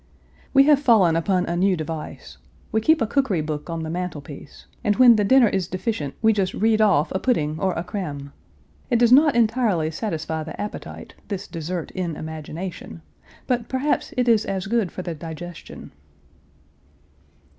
We have fallen upon a new device. We keep a cookery book on the mantelpiece, and when the dinner is deficient we just read off a pudding or a creme. It does not entirely satisfy the appetite, this dessert in imagination, but perhaps it is as good for the digestion."